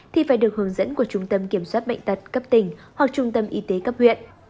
thì phải được hướng dẫn của trung tâm kiểm soát bệnh tật cấp tỉnh hoặc trung tâm y tế cấp huyện